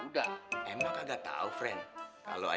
ide atas sakupunih sekarang